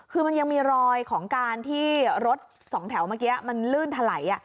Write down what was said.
คือมันยังมีรอยของการที่รถสองแถวเมื่อกี้มันลื่นถลัย